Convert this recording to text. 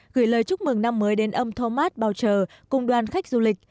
gửi lời chúc mừng năm mới đến ông thomas boucher cùng đoàn khách du lịch